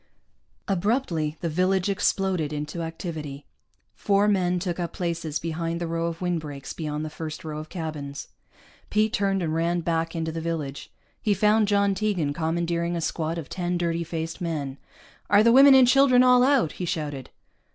Abruptly the village exploded into activity. Four men took up places behind the row of windbreaks beyond the first row of cabins. Pete turned and ran back into the village. He found John Tegan commandeering a squad of ten dirty faced men. "Are the women and children all out?" he shouted.